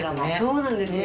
そうなんですよ。